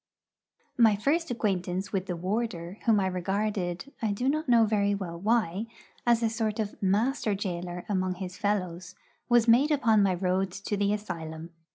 My first acquaintance with the warder whom I regarded I do not very well know why as a sort of master gaoler among his fellows, was made upon my road to the asylum.